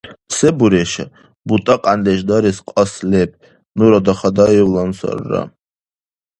Се буриша? БутӀакьяндеш дарес кьас леб, нура дахадаевлан сарра.